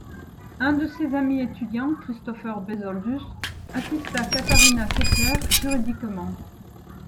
Un de ses amis étudiants, Christopher Besoldus, assista Katharina Kepler juridiquement.